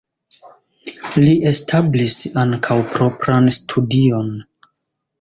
Li establis ankaŭ propran studion.